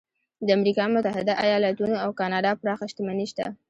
د امریکا متحده ایالتونو او کاناډا پراخه شتمني شته.